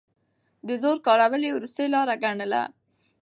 د زور کارول يې وروستۍ لاره ګڼله.